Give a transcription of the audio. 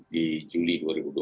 di juli dua ribu dua puluh